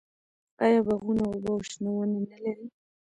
آیا باغونه اوبه او شنه ونې نلري؟